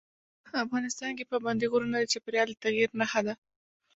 افغانستان کې پابندي غرونه د چاپېریال د تغیر نښه ده.